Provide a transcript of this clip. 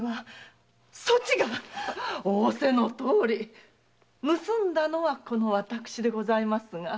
仰せのとおり盗んだのはこの私でございますが。